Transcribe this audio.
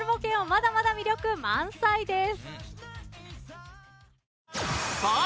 まだまだ魅力満載です。